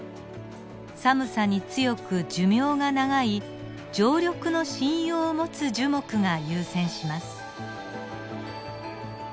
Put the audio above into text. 寒さに強く寿命が長い常緑の針葉を持つ樹木が優占します。